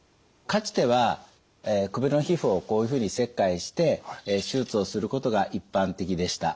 かつては首の皮膚をこういうふうに切開して手術をすることが一般的でした。